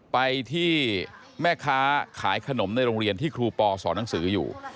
ไปที่แม่ค้าขายขนมในโรงเรียนที่ครูปอสอนหนังสืออยู่